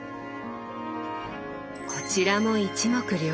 こちらも一目瞭然。